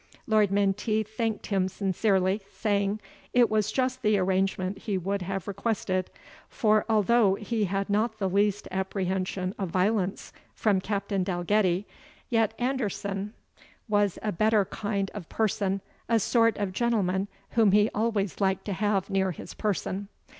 Lord Menteith thanked him sincerely, saying, "It was just the arrangement he would have requested; for, although he had not the least apprehension of violence from Captain Dalgetty, yet Anderson was a better kind of person, a sort of gentleman, whom he always liked to have near his person."